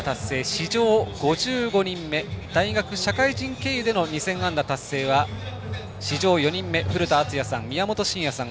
史上５５人目大学・社会人経由での２０００本安打は史上４人目古田敦也さん、宮本慎也さん